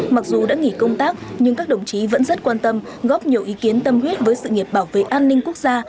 mặc dù đã nghỉ công tác nhưng các đồng chí vẫn rất quan tâm góp nhiều ý kiến tâm huyết với sự nghiệp bảo vệ an ninh quốc gia